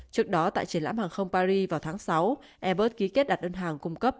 trước đó tại triển lãm hàng không paris vào tháng sáu airbus ký kết đặt đơn hàng cung cấp